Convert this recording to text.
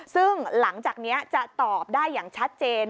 ซึ่งหลังจากนี้จะตอบได้อย่างชัดเจน